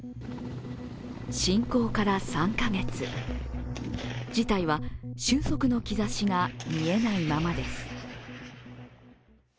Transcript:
侵攻から３カ月、事態は収束の兆しが見えないままです。